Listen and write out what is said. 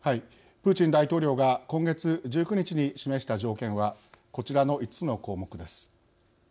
プーチン大統領が今月１９日に示した条件はこちらの５つの項目です。